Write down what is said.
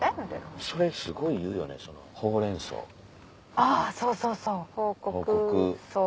あぁそうそうそう。